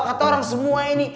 kata orang semua ini